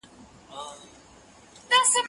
ايا ته ليکنه کوې.